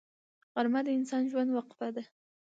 غرمه د انساني ژوند وقفه ده